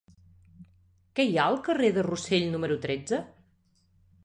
Què hi ha al carrer de Rossell número tretze?